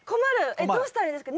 えっどうしたらいいですか？